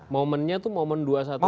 momennya tuh momen dua ratus dua belas